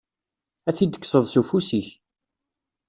Ad t-id-kkseḍ s ufus-ik.